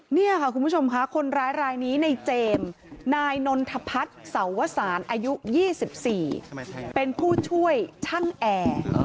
นี่ค่ะคุณผู้ชมค่ะคนร้ายรายนี้ในเจมส์นายนนทพัฒน์สวสารอายุ๒๔เป็นผู้ช่วยช่างแอร์